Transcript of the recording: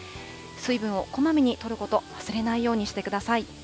水分をこまめにとること、忘れないようにしてください。